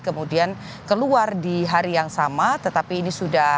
kemudian keluar di hari yang sama tetapi ini sudah